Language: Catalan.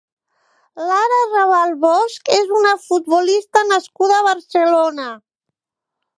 Lara Rabal Bosch és una futbolista nascuda a Barcelona.